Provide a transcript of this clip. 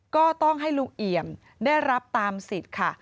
ก็ต้องให้ลุงเอี่ยมได้รับตามสิทธิ์ค่ะ